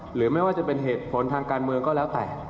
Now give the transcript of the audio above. หรือไม่ว่าจะเป็นเหตุผลทางการเมืองก็แล้วแต่